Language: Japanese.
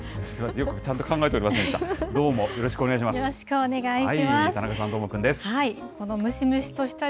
よくちゃんと考えておりませんでした。